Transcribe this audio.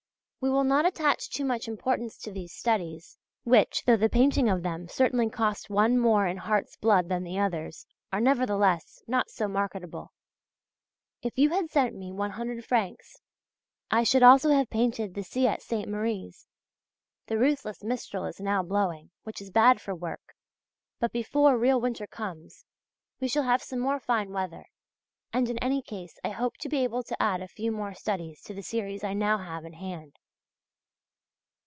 We will not attach too much importance to these studies, which, though the painting of them certainly cost one more in heart's blood than the others, are nevertheless not so marketable. If you had sent me 100 francs I should also have painted the sea at Saintes Maries. The ruthless Mistral is now blowing, which is bad for work; but before real winter comes, we shall have some more fine weather, and in any case I hope to be able to add a few more studies to the series I now have in hand.